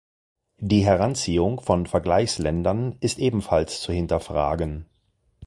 Die Heranziehung von Vergleichsländern ist ebenfalls zu hinterfragen.